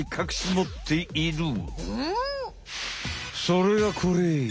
それがこれ。